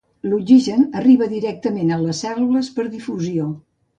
L'oxigen arriba directament a les cèl·lules per difusió.